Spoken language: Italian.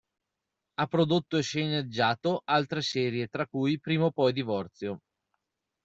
Ha prodotto e sceneggiato altre serie tra cui "Prima o poi divorzio!".